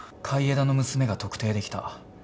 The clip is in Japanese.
海江田の娘が特定できた。